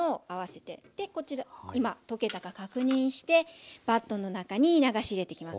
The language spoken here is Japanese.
こちら今溶けたか確認してバットの中に流し入れていきます。